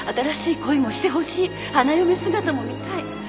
花嫁姿も見たい。